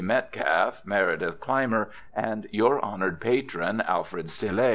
Metcalfe, Meredith Clymer, and your honoured patron, Alfred Stille.